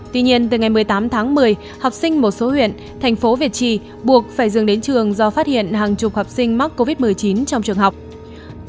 tuy nhiên từ ngày một mươi tám tháng một mươi học sinh một số huyện thành phố việt trì buộc phải dừng đến trường do phát hiện hàng chục học sinh mắc covid một mươi chín trong trường học